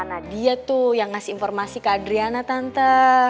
nah dia tuh yang ngasih informasi ke adriana tante